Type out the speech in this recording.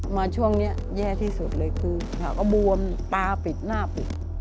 มาช่วงนี้แย่ที่สุดเลยคือขาก็บวมตาปิดหน้าปิด